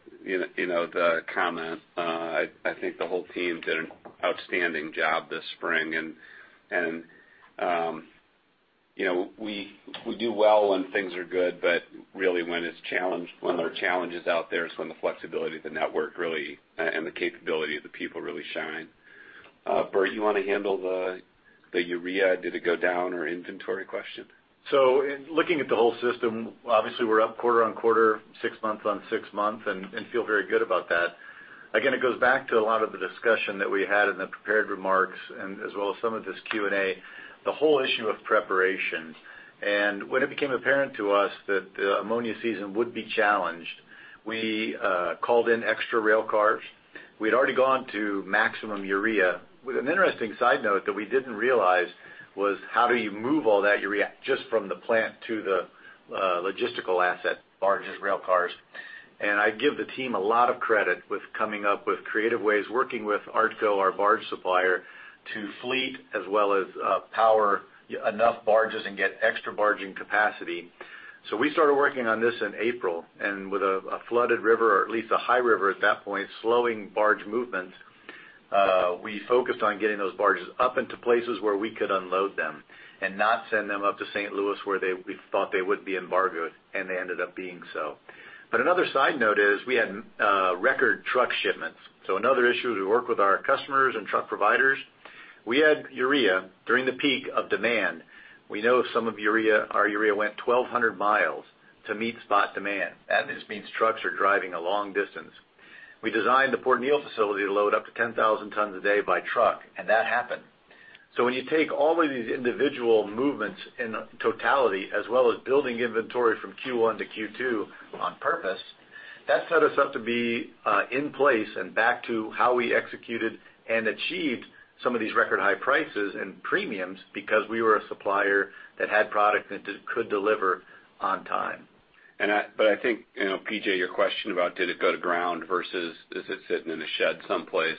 comment. I think the whole team did an outstanding job this spring, and we do well when things are good, but really when there are challenges out there is when the flexibility of the network really, and the capability of the people really shine. Bert, you want to handle the urea, did it go down or inventory question? In looking at the whole system, obviously we're up quarter-over-quarter, six-month-on-six-month, and feel very good about that. Again, it goes back to a lot of the discussion that we had in the prepared remarks and as well as some of this Q&A. The whole issue of preparation. When it became apparent to us that the ammonia season would be challenged, we called in extra rail cars. We'd already gone to maximum urea. With an interesting side note that we didn't realize was how do you move all that urea just from the plant to the logistical asset, barges, rail cars. I give the team a lot of credit with coming up with creative ways, working with ARTCO, our barge supplier, to fleet as well as power enough barges and get extra barging capacity. We started working on this in April, and with a flooded river, or at least a high river at that point, slowing barge movement we focused on getting those barges up into places where we could unload them and not send them up to St. Louis where we thought they would be embargoed, and they ended up being so. Another side note is we had record truck shipments. Another issue is we work with our customers and truck providers. We had urea during the peak of demand. We know some of our urea went 1,200 miles to meet spot demand. That just means trucks are driving a long distance. We designed the Port Neal facility to load up to 10,000 tons a day by truck, and that happened. When you take all of these individual movements in totality as well as building inventory from Q1 to Q2 on purpose, that set us up to be in place and back to how we executed and achieved some of these record high prices and premiums because we were a supplier that had product that could deliver on time. I think, P.J., your question about did it go to ground versus is it sitting in a shed someplace.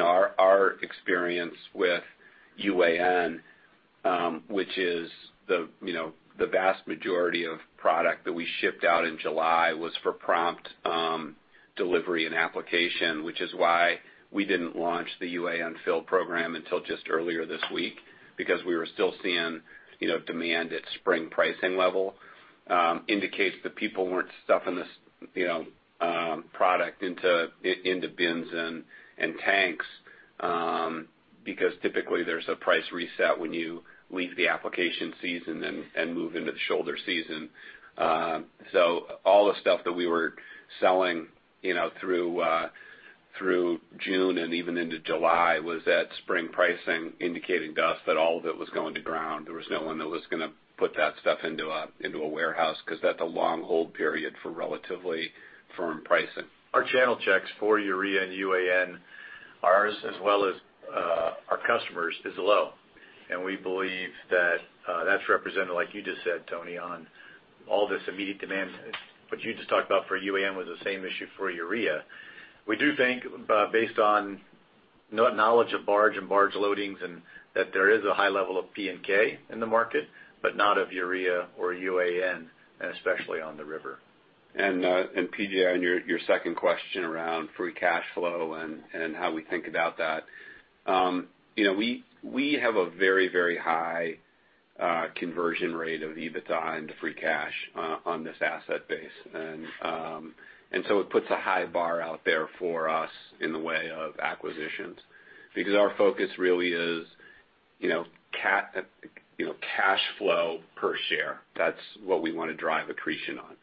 Our experience with UAN which is the vast majority of product that we shipped out in July was for prompt delivery and application, which is why we didn't launch the UAN fill program until just earlier this week because we were still seeing demand at spring pricing level indicates that people weren't stuffing this product into bins and tanks because typically there's a price reset when you leave the application season and move into the shoulder season. All the stuff that we were selling through June and even into July was that spring pricing indicating to us that all of it was going to ground. There was no one that was going to put that stuff into a warehouse because that's a long hold period for relatively firm pricing. Our channel checks for urea and UAN, ours as well as our customers, is low. We believe that's represented, like you just said, Tony, on all this immediate demand. What you just talked about for UAN was the same issue for urea. We do think based on knowledge of barge and barge loadings, that there is a high level of P and K in the market, but not of urea or UAN, and especially on the river. P.J., on your second question around free cash flow and how we think about that. We have a very high conversion rate of EBITDA into free cash on this asset base. It puts a high bar out there for us in the way of acquisitions because our focus really is cash flow per share. That's what we want to drive accretion on.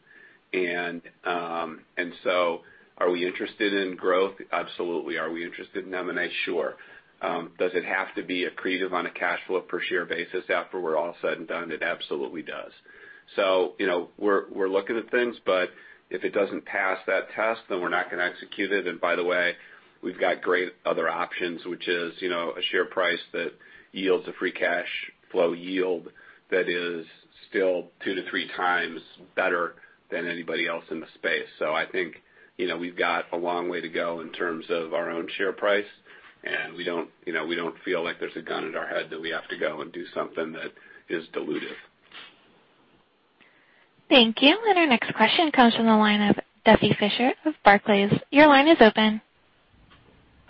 Are we interested in growth? Absolutely. Are we interested in nitrogen? Sure. Does it have to be accretive on a cash flow per share basis after we're all said and done? It absolutely does. We're looking at things, but if it doesn't pass that test, then we're not going to execute it. By the way, we've got great other options, which is a share price that yields a free cash flow yield that is still two to three times better than anybody else in the space. I think we've got a long way to go in terms of our own share price, and we don't feel like there's a gun at our head that we have to go and do something that is dilutive. Thank you. Our next question comes from the line of Duffy Fischer of Barclays. Your line is open.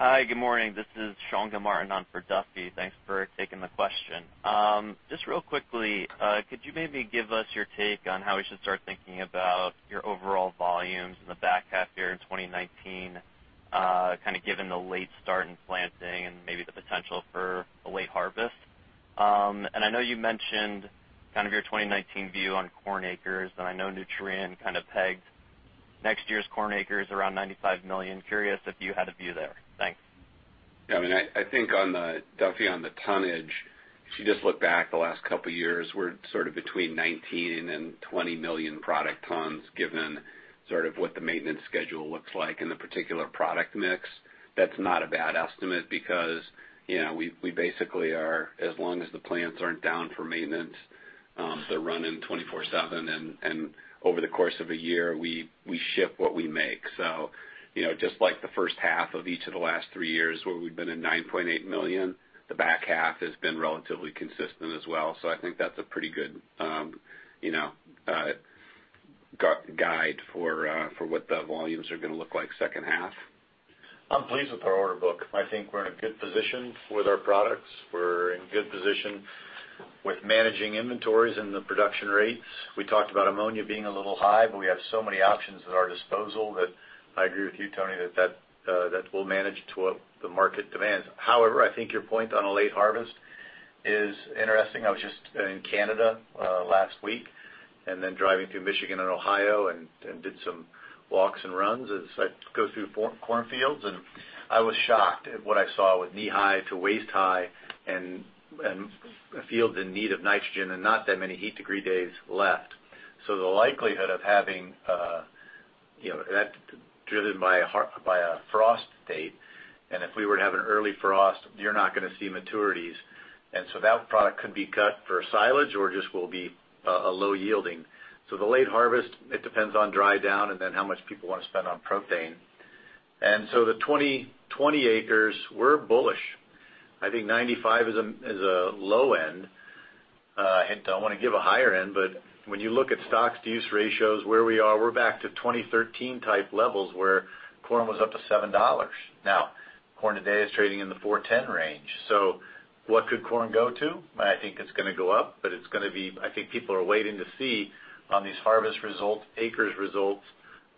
Hi, good morning. This is Sean Gamartan on for Duffy. Thanks for taking the question. Just real quickly, could you maybe give us your take on how we should start thinking about your overall volumes in the back half year in 2019, given the late start in planting and maybe the potential for a late harvest? I know you mentioned your 2019 view on corn acres, and I know Nutrien pegged next year's corn acres around 95 million. Curious if you had a view there. Thanks. Duffy, on the tonnage, if you just look back the last couple of years, we're between 19 million and 20 million product tons given what the maintenance schedule looks like and the particular product mix. That's not a bad estimate because we basically are, as long as the plants aren't down for maintenance, they're running 24/7, and over the course of a year, we ship what we make. Just like the first half of each of the last three years where we've been at 9.8 million, the back half has been relatively consistent as well. I think that's a pretty good guide for what the volumes are going to look like second half. I'm pleased with our order book. I think we're in a good position with our products. We're in good position with managing inventories and the production rates. We talked about ammonia being a little high, but we have so many options at our disposal that I agree with you, Tony, that we'll manage to what the market demands. I think your point on a late harvest is interesting. I was just in Canada last week and then driving through Michigan and Ohio and did some walks and runs as I go through corn fields, and I was shocked at what I saw with knee-high to waist-high and fields in need of nitrogen and not that many heat degree days left. The likelihood of having that driven by a frost date, and if we were to have an early frost, you're not going to see maturities. That product could be cut for silage or just will be low yielding. The late harvest, it depends on dry down and then how much people want to spend on propane. The 2020 acres, we're bullish. I think 95 is a low end. I want to give a higher end, when you look at stocks-to-use ratios where we are, we're back to 2013 type levels where corn was up to $7. Now, corn today is trading in the $4.10 range. What could corn go to? I think it's going to go up, I think people are waiting to see on these harvest results, acres results.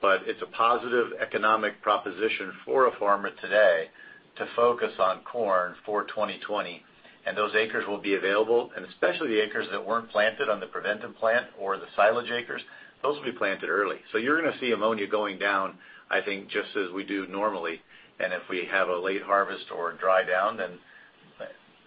It's a positive economic proposition for a farmer today to focus on corn for 2020. Those acres will be available, and especially the acres that weren't planted on the prevented planting or the silage acres, those will be planted early. You're going to see ammonia going down, I think, just as we do normally. If we have a late harvest or a dry down, then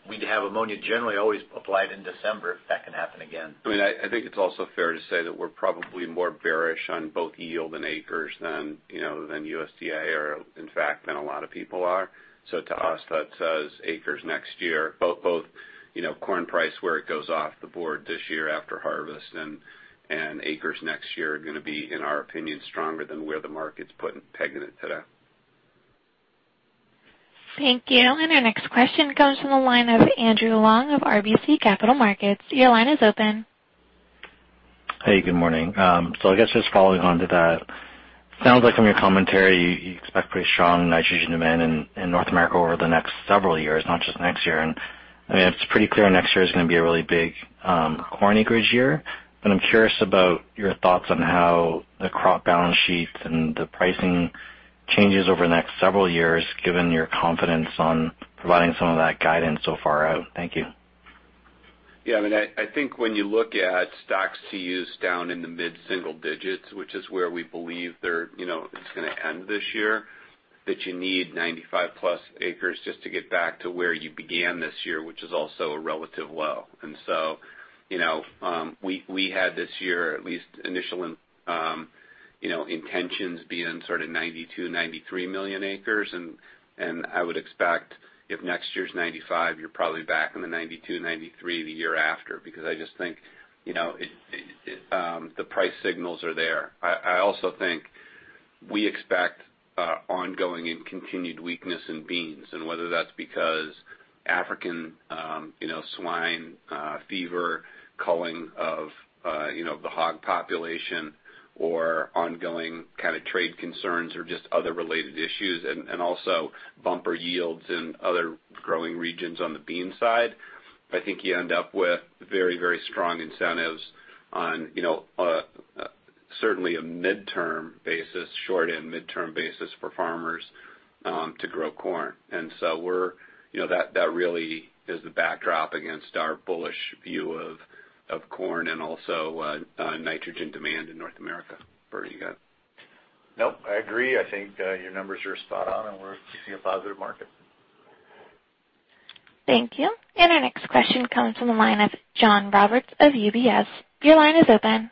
we'd have ammonia generally always applied in December, if that can happen again. I think it's also fair to say that we're probably more bearish on both yield and acres than USDA or in fact than a lot of people are. To us, that says acres next year, both corn price where it goes off the board this year after harvest and acres next year are going to be, in our opinion, stronger than where the market's pegging it today. Thank you. Our next question comes from the line of Andrew Wong of RBC Capital Markets. Your line is open. Hey, good morning. I guess just following on to that, sounds like from your commentary, you expect pretty strong nitrogen demand in North America over the next several years, not just next year. It's pretty clear next year is going to be a really big corn acreage year. I'm curious about your thoughts on how the crop balance sheets and the pricing changes over the next several years, given your confidence on providing some of that guidance so far out. Thank you. Yeah, I think when you look at stocks to use down in the mid-single digits, which is where we believe it's going to end this year, that you need 95 plus acres just to get back to where you began this year, which is also a relative low. We had this year, at least initial intentions being sort of 92, 93 million acres. I would expect if next year's 95, you're probably back in the 92, 93 the year after because I just think the price signals are there. I also think we expect ongoing and continued weakness in beans, and whether that's because African swine fever, culling of the hog population or ongoing kind of trade concerns or just other related issues, and also bumper yields in other growing regions on the bean side, I think you end up with very strong incentives on certainly a mid-term basis, short and mid-term basis for farmers to grow corn. That really is the backdrop against our bullish view of corn and also nitrogen demand in North America. Bert, you got it? Nope. I agree. I think your numbers are spot on, and we see a positive market. Thank you. Our next question comes from the line of John Roberts of UBS. Your line is open.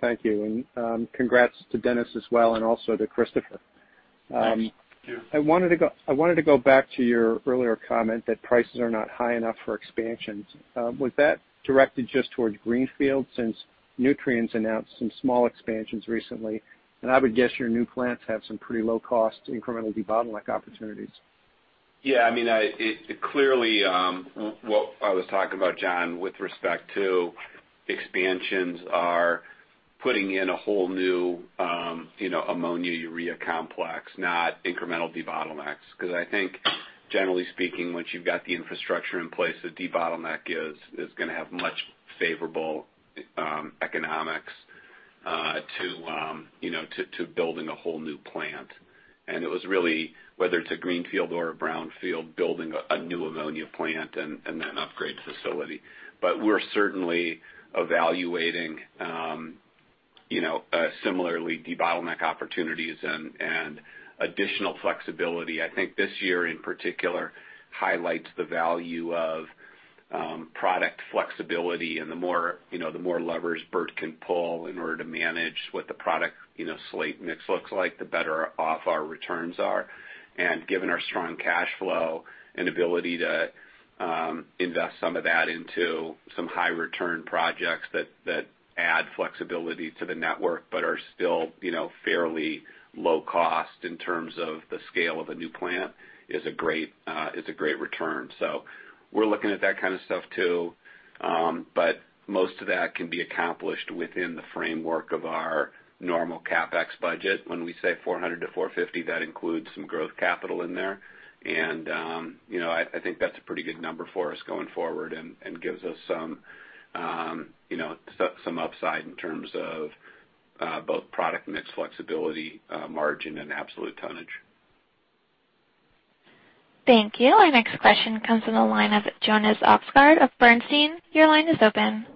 Thank you. Congrats to Dennis as well, and also to Christopher. Thanks. Thank you. I wanted to go back to your earlier comment that prices are not high enough for expansions. Was that directed just towards greenfield since Nutrien announced some small expansions recently? I would guess your new plants have some pretty low cost incremental debottleneck opportunities. Clearly, what I was talking about, John, with respect to expansions are putting in a whole new ammonia urea complex, not incremental debottlenecks. I think generally speaking, once you've got the infrastructure in place, a debottleneck is going to have much favorable economics to building a whole new plant. It was really whether it's a greenfield or a brownfield building a new ammonia plant and then upgrade facility. We're certainly evaluating similarly debottleneck opportunities and additional flexibility. I think this year in particular highlights the value of product flexibility and the more levers Bert can pull in order to manage what the product slate mix looks like, the better off our returns are. Given our strong cash flow and ability to invest some of that into some high return projects that add flexibility to the network but are still fairly low cost in terms of the scale of a new plant is a great return. We're looking at that kind of stuff too. Most of that can be accomplished within the framework of our normal CapEx budget. When we say $400-$450, that includes some growth capital in there. I think that's a pretty good number for us going forward and gives us some upside in terms of both product mix flexibility, margin and absolute tonnage. Thank you. Our next question comes from the line of Jonas Oxgaard of Bernstein. Your line is open.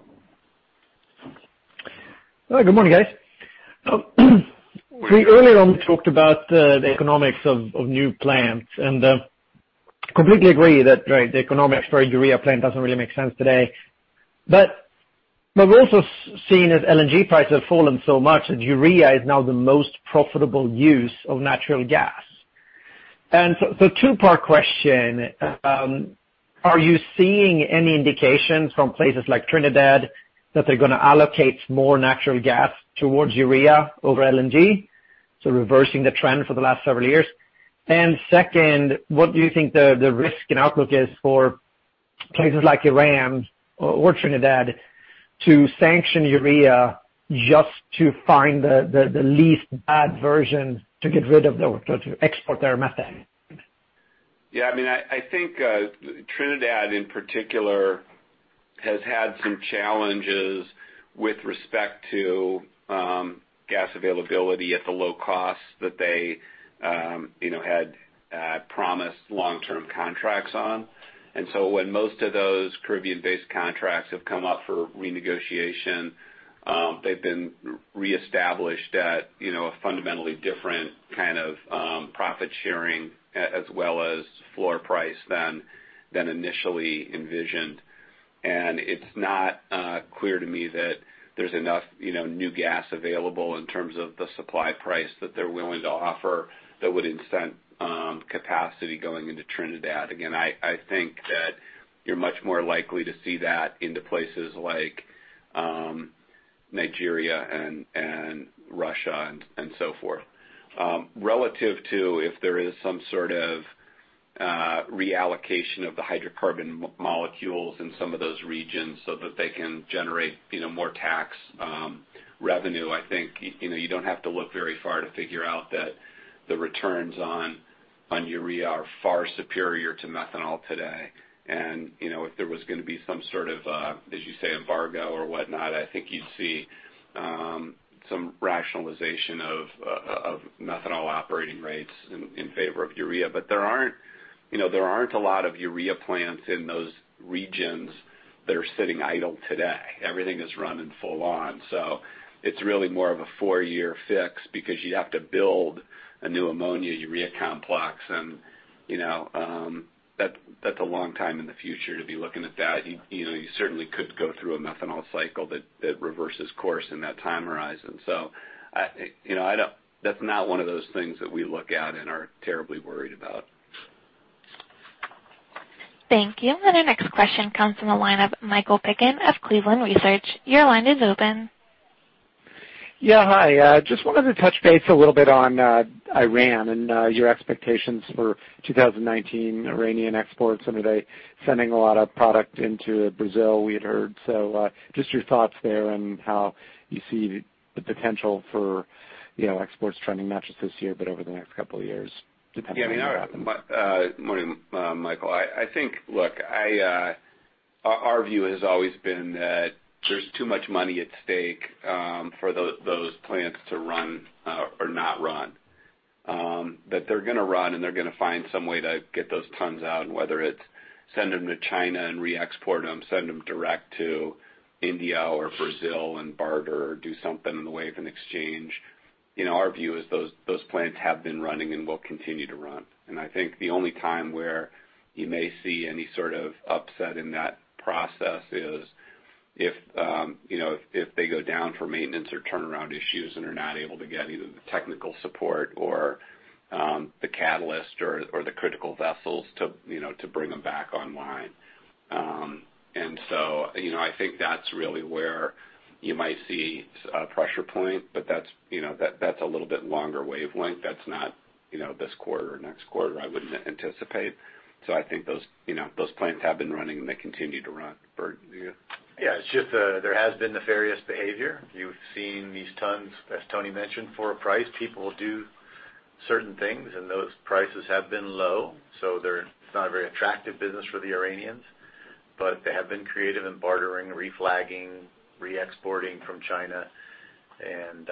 Hi, good morning, guys. Earlier on, we talked about the economics of new plants. Completely agree that the economics for a urea plant doesn't really make sense today. We've also seen as LNG prices have fallen so much that urea is now the most profitable use of natural gas. Two-part question. Are you seeing any indication from places like Trinidad that they're going to allocate more natural gas towards urea over LNG, so reversing the trend for the last several years? Second, what do you think the risk and outlook is for places like Iran or Trinidad to sanction urea just to find the least bad version to get rid of or to export their methane? Yeah, I think Trinidad, in particular, has had some challenges with respect to gas availability at the low cost that they had promised long-term contracts on. When most of those Caribbean-based contracts have come up for renegotiation, they've been reestablished at a fundamentally different kind of profit sharing as well as floor price than initially envisioned. It's not clear to me that there's enough new gas available in terms of the supply price that they're willing to offer that would incent capacity going into Trinidad. Again, I think that you're much more likely to see that into places like Nigeria and Russia and so forth. Relative to if there is some sort of reallocation of the hydrocarbon molecules in some of those regions so that they can generate more tax revenue. I think you don't have to look very far to figure out that the returns on urea are far superior to methanol today. If there was going to be some sort of, as you say, embargo or whatnot, I think you'd see some rationalization of methanol operating rates in favor of urea. There aren't a lot of urea plants in those regions that are sitting idle today. Everything is running full on. It's really more of a four-year fix because you'd have to build a new ammonia urea complex and that's a long time in the future to be looking at that. You certainly could go through a methanol cycle that reverses course in that time horizon. That's not one of those things that we look at and are terribly worried about. Thank you. Our next question comes from the line of Michael Piken of Cleveland Research. Your line is open. Yeah, hi. Just wanted to touch base a little bit on Iran and your expectations for 2019 Iranian exports and are they sending a lot of product into Brazil, we had heard. Just your thoughts there and how you see the potential for exports trending not just this year, but over the next couple of years depending on what happens. Morning, Michael. I think, look, our view has always been that there's too much money at stake for those plants to run or not run. They're going to run, and they're going to find some way to get those tons out, and whether it's send them to China and re-export them, send them direct to India or Brazil and barter or do something in the way of an exchange. Our view is those plants have been running and will continue to run. I think the only time where you may see any sort of upset in that process is if they go down for maintenance or turnaround issues and are not able to get either the technical support or the catalyst or the critical vessels to bring them back online. I think that's really where you might see a pressure point, but that's a little bit longer wavelength. That's not this quarter or next quarter, I wouldn't anticipate. I think those plants have been running, and they continue to run. Bert, do you? Yeah, it's just there has been nefarious behavior. You've seen these tons, as Tony mentioned, for a price. People will do certain things, and those prices have been low, so it's not a very attractive business for the Iranians, but they have been creative in bartering, reflagging, re-exporting from China.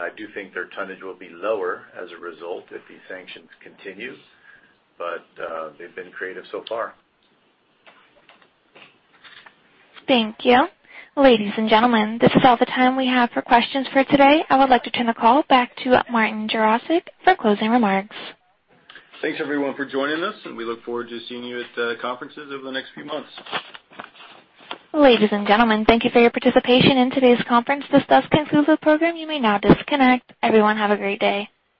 I do think their tonnage will be lower as a result if these sanctions continue. They've been creative so far. Thank you. Ladies and gentlemen, this is all the time we have for questions for today. I would like to turn the call back to Martin Jarosick for closing remarks. Thanks, everyone, for joining us, and we look forward to seeing you at the conferences over the next few months. Ladies and gentlemen, thank you for your participation in today's conference. This does conclude the program. You may now disconnect. Everyone, have a great day.